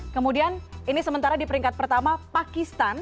kemudian ini sementara di peringkat pertama pakistan